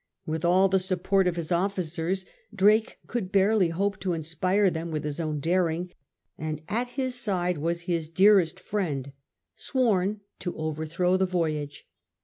With all the support of his officers Drake could barely hope to inspire them with his own daring ; and at his side was liis dearest friend sworn to overthrow the voyage.